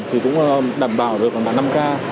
thì cũng đảm bảo được khoảng năm k